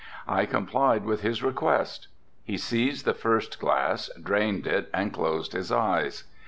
I complied with his request. He seized the first glass, drained it and closed his eyes.